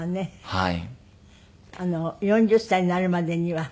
はい。